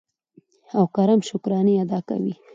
او کرم شکرانې ادا کوي.